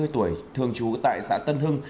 ba mươi tuổi thường trú tại xã tân hưng